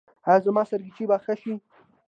ایا زما سرگیچي به ښه شي؟